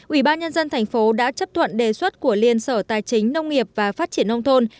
ubnd tp đã chấp thuận đề xuất của liên sở tài chính nông nghiệp và phát triển nông thôn